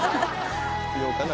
必要かな？